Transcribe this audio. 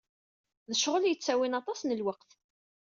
D ccɣel yettawin aṭas lweqt.